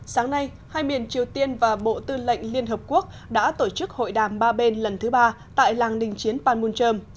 sáng nay hai miền triều tiên và bộ tư lệnh liên hợp quốc đã tổ chức hội đàm ba bên lần thứ ba tại làng đình chiến panmunjom